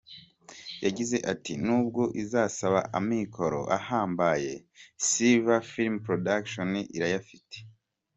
Yagize ati :"nubwo izasaba amikoro ahambaye, Silver Film Productions irayafite.